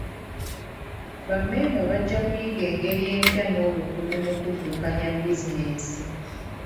Bammemba bajja kuyiga engeri empya n'obukugu mu kuddukanya bizinensi.